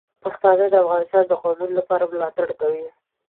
پښتانه د افغانستان د قومونو لپاره ملاتړ کوي.